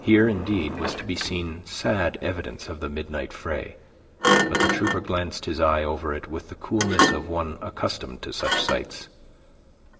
Here, indeed, was to be seen sad evidence of the midnight fray, but the trooper glanced his eye over it with the coolness of one accustomed to such sights.